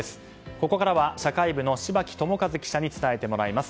ここからは社会部の柴木友和記者に伝えてもらいます。